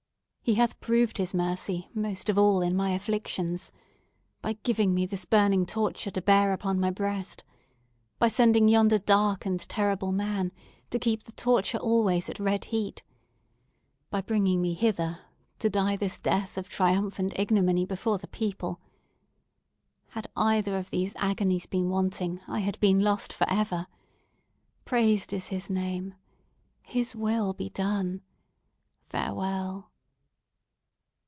He hath proved his mercy, most of all, in my afflictions. By giving me this burning torture to bear upon my breast! By sending yonder dark and terrible old man, to keep the torture always at red heat! By bringing me hither, to die this death of triumphant ignominy before the people! Had either of these agonies been wanting, I had been lost for ever! Praised be His name! His will be done! Farewell!"